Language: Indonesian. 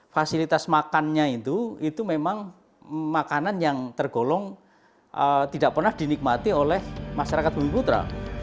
fasilitas makannya itu itu memang makanan yang tergolong tidak pernah dinikmati oleh masyarakat bumi putra